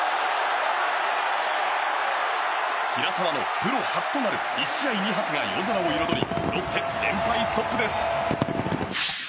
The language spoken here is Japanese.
平沢のプロ初となる１試合２発が夜空を彩りロッテ、連敗ストップです。